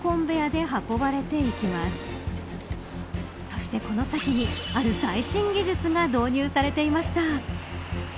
そして、この先にある最新技術が導入されていました。